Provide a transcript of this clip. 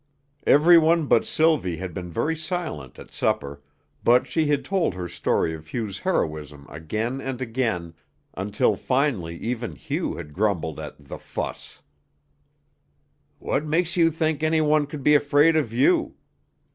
Every one but Sylvie had been very silent at supper, but she had told her story of Hugh's heroism again and again until finally even Hugh had grumbled at "the fuss." "What makes you think anyone could be afraid of you?"